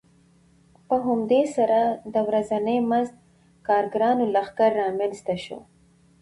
په همدې سره د ورځني مزد کارګرانو لښکر رامنځته شو